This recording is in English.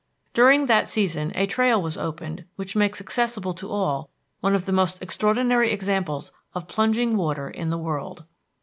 During that season a trail was opened which makes accessible to all one of the most extraordinary examples of plunging water in the world.